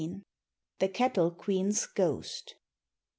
THE CATTLE QUEEN'S GHOST.